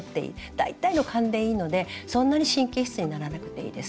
大体の勘でいいのでそんなに神経質にならなくていいです。